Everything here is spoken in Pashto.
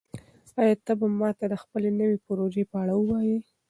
آیا ته به ماته د خپلې نوې پروژې په اړه ووایې؟